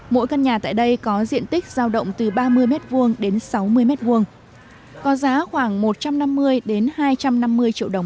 mỗi căn nhà tại đây có diện tích giao động từ ba mươi m hai đến sáu mươi m hai có giá khoảng một trăm năm mươi hai trăm năm mươi triệu đồng